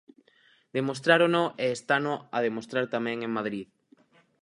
Demostrárono e estano a demostrar tamén en Madrid.